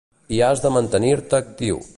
I has de mantenir-te actiu.